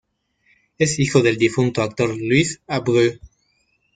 Es hijo del difunto actor Luis Abreu.